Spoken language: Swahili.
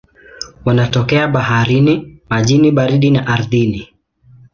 Wanatokea baharini, majini baridi na ardhini.